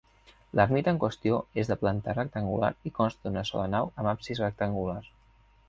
L'ermita en qüestió és de planta rectangular i consta d'una sola nau amb absis rectangular.